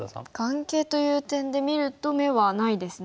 眼形という点で見ると眼はないですね。